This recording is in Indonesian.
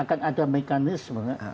akan ada mekanisme